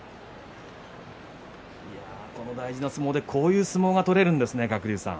この大事な相撲でこういう相撲が取れるんですね。